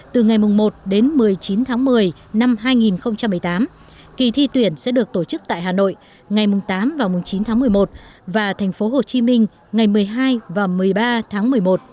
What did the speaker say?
từ ngày một đến một mươi chín tháng một mươi năm hai nghìn một mươi tám kỳ thi tuyển sẽ được tổ chức tại hà nội ngày tám và chín tháng một mươi một và tp hcm ngày một mươi hai và một mươi ba tháng một mươi một